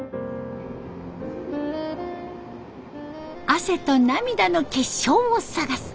「汗と涙の結晶」を探す